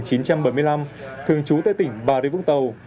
sinh năm một nghìn chín trăm bảy mươi năm thường trú tại tỉnh bà đi vũng tàu